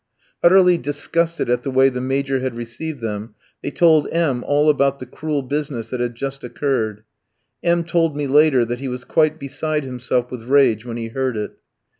Utterly disgusted at the way the Major had received them, they told M ski all about the cruel business that had just occurred. M ski told me later that he was quite beside himself with rage when he heard it.